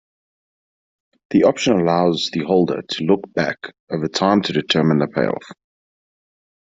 The option allows the holder to "look back" over time to determine the payoff.